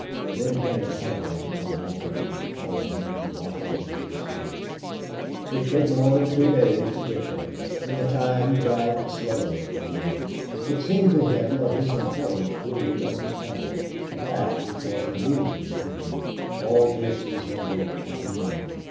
Then came a telegram from Warburton calling him to Washington, D.C. It took more than two days to get there, and the time dragged slowly for Neale. It seemed to him that his importance grew as he traveled, a fact which was amusing to him. All this resembled a dream.